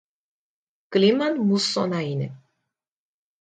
Կլիման մուսսոնային է։